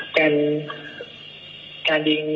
สักคน